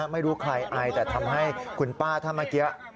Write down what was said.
ไม่รู้ใครไอแต่ทำให้คุณป้าท่านเมื่อกี้